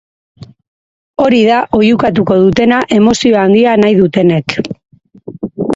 Hori da oihukatuko dutena emozio handia nahi dutenek.